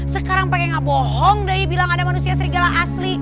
sekarang pakai gak bohong day bilang ada manusia serigala asli